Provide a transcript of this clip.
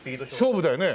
勝負だよね。